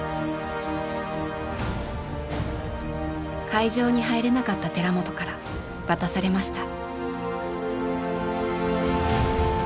会場に入れなかった寺本から渡されました。